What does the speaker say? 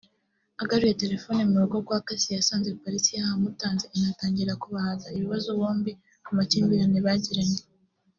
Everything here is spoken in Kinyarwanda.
Agaruye telefone mu rugo kwa Cassie yasanze polisi yahamutanze inatangira kubahata ibibazo bombi ku makimbirane bagiranye